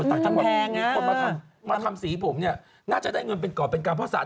ถ้ังแต่ว่ามีคนมาทำสีผมน่าจะได้เงินเป็นเก่าเป็นกลางเป้าศาสตร์